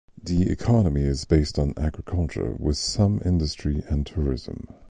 The economy is based on agriculture with some industry and tourism.